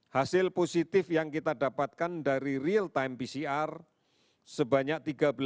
hasil positif yang kita dapatkan dari real time pcr sebanyak tiga belas